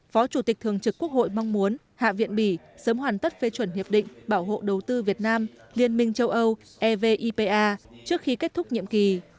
phó chủ tịch thường trực quốc hội mong muốn hạ viện bỉ sớm hoàn tất phê chuẩn hiệp định bảo hộ đầu tư việt nam liên minh châu âu evipa trước khi kết thúc nhiệm kỳ